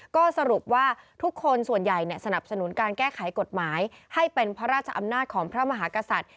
ก็สรุปว่าทุกคนส่วนใหญ่สนับสนุนการแก้ไขกฎหมายให้เป็นพระราชอำนาจของพระมหากษัตริย์